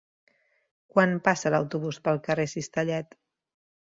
Quan passa l'autobús pel carrer Cistellet?